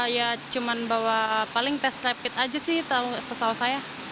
ya cuma bawa paling tes rapid aja sih setahu saya